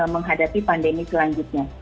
menghadapi pandemi selanjutnya